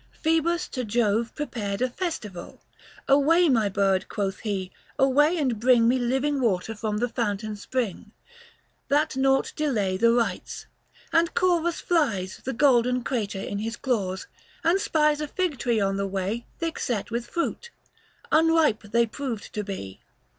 Phoebus to Jove prepared a festival : Away my bird, quoth he, away and bring 255 Me living water from the fountain spring, That nought delay the rites ; and Corvus flies, The golden crater in his claws, and spies A fig tree on the way thick set with fruit : Unripe they proved to be.